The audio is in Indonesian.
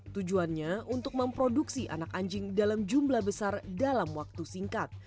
tujuannya untuk memproduksi anak anjing dalam jumlah besar dalam waktu singkat